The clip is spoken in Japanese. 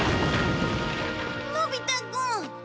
のび太くん。